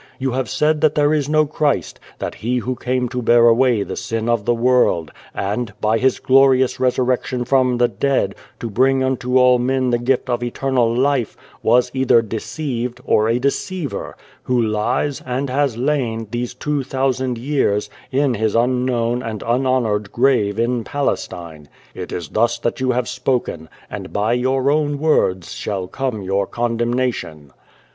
You have said that there is no Christ; that He who came to bear away the sin of the world, and, by His glorious resurrection from the dead, to bring unto all men the gift of eternal life, was either deceived, or a deceiver, who lies, and has lain, these two thousand years, in His unknown and unhonoured grave in Pales tine. It is thus that you have spoken, and by your own words shall come your condemnation.